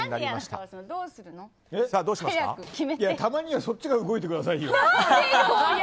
たまにはそっちが動いてくださいよ。